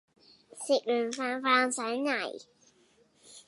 食完飯發上嚟